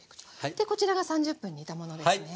でこちらが３０分煮たものですね。